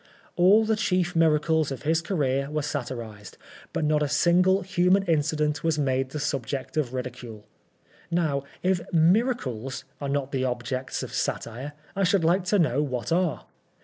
All the chief miracles of his career were satirised, but not a single human incident was made the subject of ridicule. Now, if mirdclea are not objects of satire, I should like to know what are.